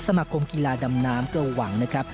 สมาคมกีฬาดำน้ำก็หวังนะครับ